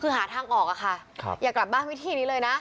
คือหาทางออกอ่ะค่ะยากลับบ้านไม่ได้บ้างนิดนึงนะ